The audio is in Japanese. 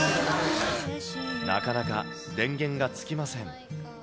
なかなか電源がつきません。